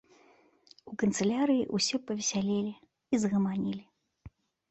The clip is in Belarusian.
У канцылярыі ўсе павесялелі і загаманілі.